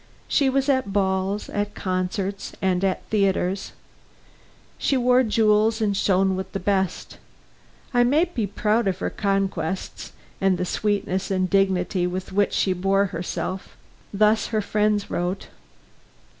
She was at balls, at concerts and at theaters. She wore jewels and shone with the best; I might be proud of her conquests and the sweetness and dignity with which she bore herself. Thus her friends wrote.